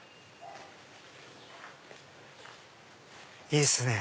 いいっすね。